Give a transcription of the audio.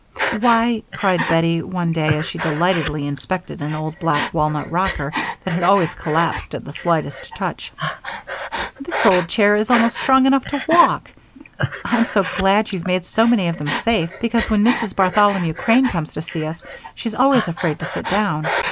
"Why," cried Bettie one day as she delightedly inspected an old black walnut rocker that had always collapsed at the slightest touch, "this old chair is almost strong enough to walk! I'm so glad you've made so many of them safe, because, when Mrs. Bartholomew Crane comes to see us, she's always afraid to sit down.